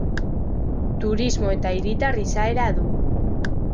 Turismo eta hiritar izaera du.